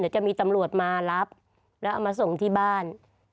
เดี๋ยวจะมีตำรวจมารับแล้วเอามาส่งที่บ้าน